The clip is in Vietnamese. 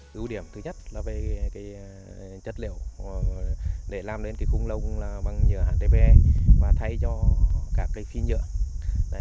điều điểm thứ nhất là về chất liệu để làm đến khung lồng bằng nhựa hdpe và thay cho các cây phi nhựa